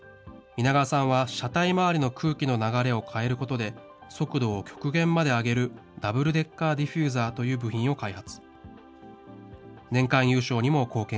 皆川さんは車体回りの空気の流れを変えることで、速度を極限まで上げるダブルデッカーディフューザーという部品を開発。